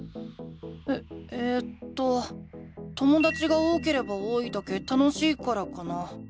ええとともだちが多ければ多いだけ楽しいからかな。